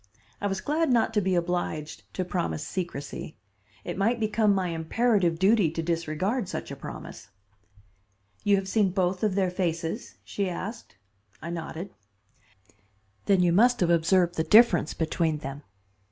I was glad not to be obliged to promise secrecy. It might become my imperative duty to disregard such a promise. "You have seen both of their faces?" she asked. I nodded. "Then you must have observed the difference between them.